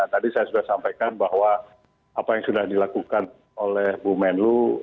tadi saya sudah sampaikan bahwa apa yang sudah dilakukan oleh bu menlu